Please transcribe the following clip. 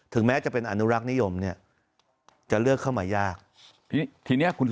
ถึงแม้จะเป็นอนุรักษ์นิยมเนี่ย